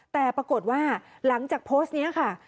แต่ปรากฏว่าหลังจากโพสต์นี้ค่ะ